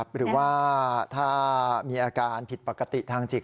หรือว่าถ้ามีอาการผิดปกติทางจิต